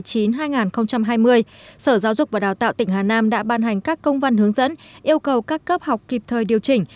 sở giáo dục và đào tạo tỉnh hà nam đã ban hành các công văn hướng dẫn yêu cầu các cấp học kịp thời điều chỉnh